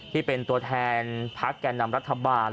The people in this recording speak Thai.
ที่เป็นตัวแทนพักแก่นำรัฐบาล